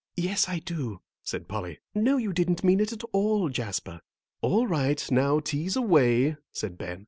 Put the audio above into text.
"Yes, I do," said Polly, "know you didn't mean it at all, Jasper." "All right, now tease away," said Ben.